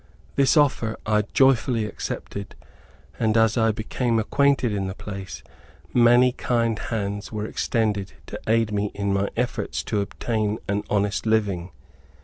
This offer I joyfully accepted; and, as I became acquainted in the place, many kind hands were extended to aid me in my efforts to obtain an honest living.